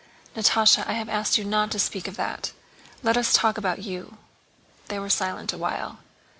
"Natásha, I have asked you not to speak of that. Let us talk about you." They were silent awhile.